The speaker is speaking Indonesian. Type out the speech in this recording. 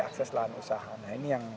akses lahan usaha nah ini yang